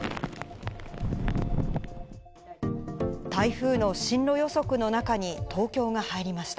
台風の進路予測の中に、東京が入りました。